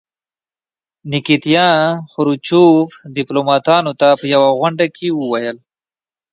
نیکیتیا خروچوف ډیپلوماتانو ته په یوه غونډه کې وویل.